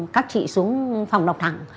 các chị xuống phòng đọc thẳng